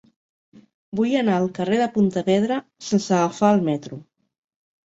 Vull anar al carrer de Pontevedra sense agafar el metro.